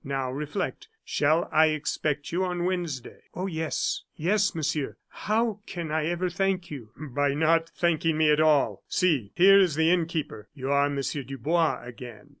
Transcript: Now reflect, shall I expect you on Wednesday?" "Oh, yes, yes, Monsieur. How can I ever thank you?" "By not thanking me at all. See, here is the innkeeper; you are Monsieur Dubois, again."